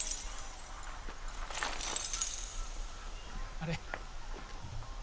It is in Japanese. あれ？